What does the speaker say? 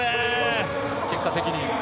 結果的に。